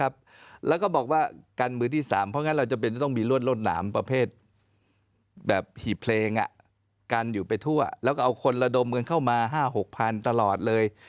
แบบหีบเพลงกันอยู่ไปทั่วแล้วก็เอาคนระดมกันเข้ามา๕๖พันตลอดเลย